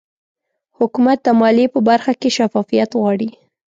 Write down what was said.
حکومت د مالیې په برخه کې شفافیت غواړي